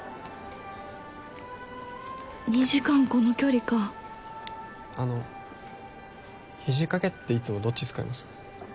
２時間この距離かあの肘掛けっていつもどっち使います？